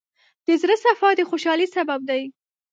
د زړۀ صفا د خوشحالۍ سبب دی.